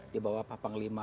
di bawah papang v